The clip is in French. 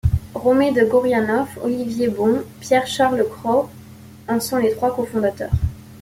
Romée de Goriainoff, Olivier Bon, Pierre-Charles Cros en sont les trois cofondateurs.